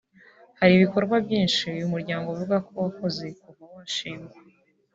Hari ibikorwa byinshi uyu muryango uvuga ko wakoze kuva washingwa